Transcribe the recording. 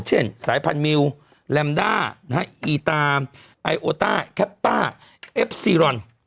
เช่นสายพันธมิวแลมด้าอีตามไอโอต้าแคปต้าเอฟซีรอน